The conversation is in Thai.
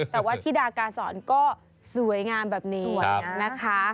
แต่ว่าธิดากาศรก็สวยงามแบบนี้นะคะ